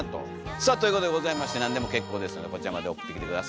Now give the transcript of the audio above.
さあということでございまして何でも結構ですのでこちらまで送ってきて下さい。